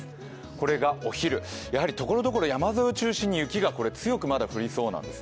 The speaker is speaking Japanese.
これがお昼、やはりところどころ、山沿いを中心に雪が強くまだ降りそうなんです